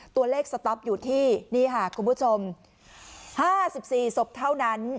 สต๊อปอยู่ที่นี่ค่ะคุณผู้ชม๕๔ศพเท่านั้น